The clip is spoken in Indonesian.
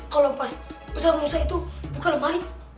kalau pas usah usah itu bukan lemari